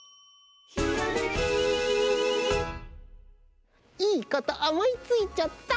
「ひらめき」いいことおもいついちゃった！